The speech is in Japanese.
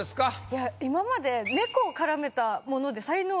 いや今まで猫を絡めたもので才能